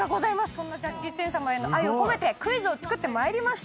そんなジャッキー・チェン様への愛を込めてクイズを作ってまいりました。